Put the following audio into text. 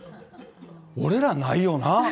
俺らないよな。